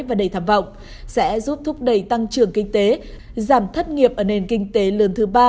và đầy tham vọng sẽ giúp thúc đẩy tăng trưởng kinh tế giảm thất nghiệp ở nền kinh tế lớn thứ ba